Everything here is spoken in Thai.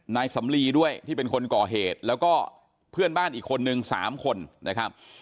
นายสำลีด้วยที่เป็นคนก่อเหตุแล้วก็เพื่อนบ้านอีกคนนึง๓คนนะครับ